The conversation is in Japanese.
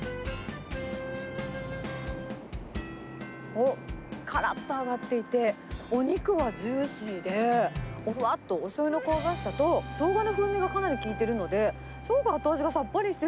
おっ、からっと揚がっていて、お肉はジューシーで、ふわっとおしょうゆの香ばしさと、しょうがの風味がかなり効いてるので、すごく後味がさっぱりして